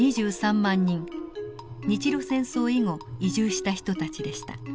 日露戦争以後移住した人たちでした。